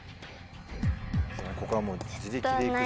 ここはもう自力でいくしか。